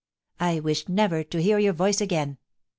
... I wish never to hear your voice again.